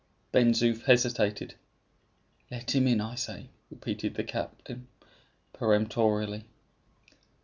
Ben Zoof hesitated. "Let him in, I say," repeated the captain, peremptorily.